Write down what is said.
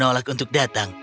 aku menolak untuk datang